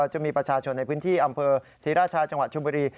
จะมีประชาชนในพื้นที่อำเภอศรีราชาจังหวัดชุมบุรี